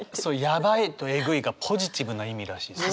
「ヤバい」と「エグい」がポジティブな意味らしいですね。